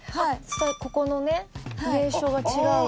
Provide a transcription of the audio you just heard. ここのね名所が違うわ。